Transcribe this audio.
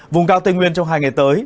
vùng cao tây nguyên trong hai ngày tới